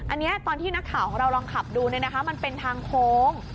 อันนี้ตอนที่นักข่าวของเราลองขับดูมันเป็นทางโค้ง